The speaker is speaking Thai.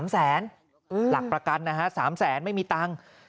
หลักประกันนะฮะ๓แสนไม่มีตังค์